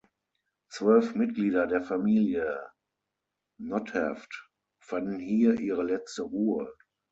Zwölf Mitglieder der Familie Notthafft fanden hier ihre letzte Ruhe.